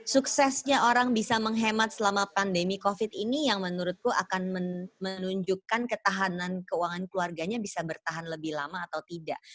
suksesnya orang bisa menghemat selama pandemi covid ini yang menurutku akan menunjukkan ketahanan keuangan keluarganya bisa bertahan lebih lama atau tidak